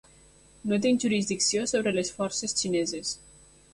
No tinc jurisdicció sobre les forces xineses.